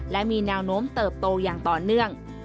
และมีแนวโน้มเติบโตอย่างต่อเนื่อง